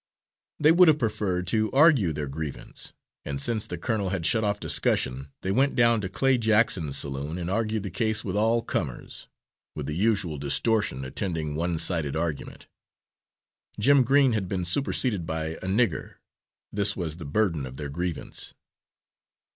They would have preferred to argue their grievance, and since the colonel had shut off discussion they went down to Clay Jackson's saloon and argued the case with all comers, with the usual distortion attending one sided argument. Jim Green had been superseded by a nigger this was the burden of their grievance.